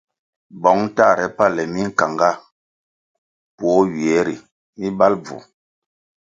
Bong tahre pale minkanga puoh ywie ri mi mbal bvu.